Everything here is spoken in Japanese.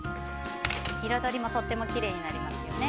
彩もとてもきれいになりますよね。